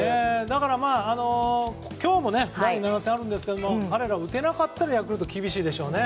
だから、今日も第７戦があるんですが彼らを打てなかったらヤクルトは厳しいでしょうね。